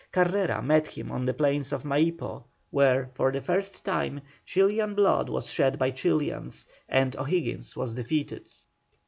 Carrera met him on the plains of Maipó, where, for the first time, Chilian blood was shed by Chilians, and O'Higgins was defeated.